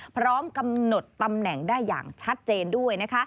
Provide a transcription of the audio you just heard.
พร้อมกำหนดตำแหน่งได้อย่างชัดเจนด้วย